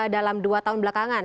dalam dua tahun belakangan